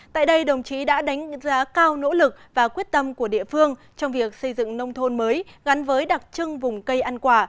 tại đây đồng chí đã đánh giá cao nỗ lực và quyết tâm của địa phương trong việc xây dựng nông thôn mới gắn với đặc trưng vùng cây ăn quả